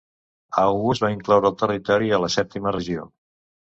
August va incloure el territori a la sèptima regió.